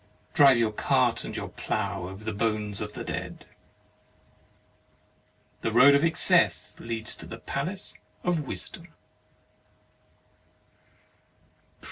Drive your cart and your plough over the bones of the dead. The road of excess leads to the palace of wisdom.